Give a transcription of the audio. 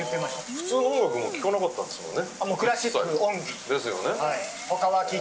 普通の音楽は聴かなかったんですもんね。